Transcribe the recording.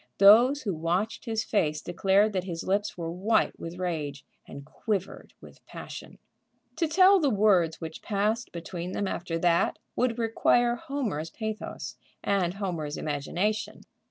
Those who watched his face declared that his lips were white with rage and quivered with passion. To tell the words which passed between them after that would require Homer's pathos and Homer's imagination.